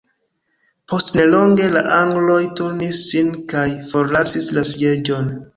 Post nelonge la angloj turnis sin kaj forlasis la sieĝon.